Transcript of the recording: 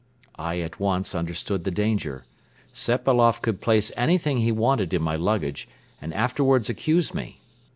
..." I at once understood the danger. Sepailoff could place anything he wanted in my luggage and afterwards accuse me.